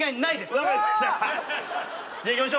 わかりました。